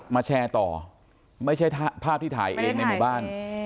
มาแชร์ต่อไม่ใช่ภาพที่ถ่ายเองในหมู่บ้านไม่ได้ถ่ายเอง